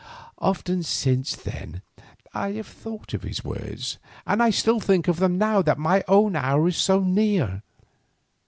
Often since then I have thought of his words, and I still think of them now that my own hour is so near.